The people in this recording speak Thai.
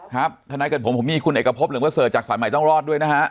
ครับธนายเกิดผลผมมีคุณเอกพบเหลืองเบอร์เซิร์ดจากสายใหม่ต้องรอดด้วยนะฮะ